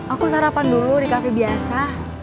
aku sarapan dulu di kafe biasa